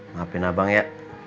maafin abang ya